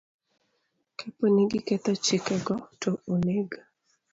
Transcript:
Kapo ni giketho chikego, to oneg